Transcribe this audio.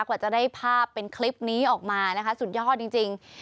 กว่าจะได้ภาพเป็นคลิปนี้ออกมานะคะสุดยอดจริง